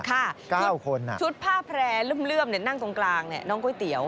๙คนชุดผ้าแพร่เลื่อมนั่งตรงกลางน้องก๋วยเตี๋ยว